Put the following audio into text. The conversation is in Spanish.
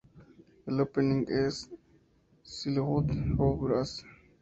El "Opening" es de Silhouette of a Breeze.